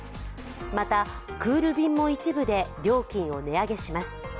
また、クール便も一部で料金を値上げします。